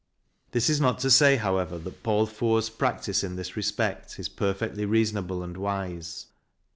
This is not to say, however, that Paul Fort's practice in this respect is perfectly reasonable and wise.